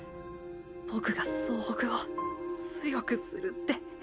ボクが総北を強くするって。